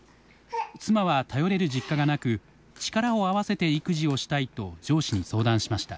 妻は頼れる実家がなく力を合わせて育児をしたいと上司に相談しました。